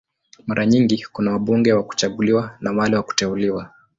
Mara nyingi kuna wabunge wa kuchaguliwa na wale wa kuteuliwa.